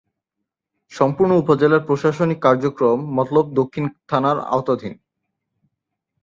সম্পূর্ণ উপজেলার প্রশাসনিক কার্যক্রম মতলব দক্ষিণ থানার আওতাধীন।